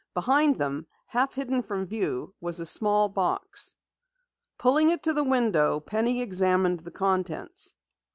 Behind them, half hidden from view, was a small box. Pulling it to the window, Penny examined the contents.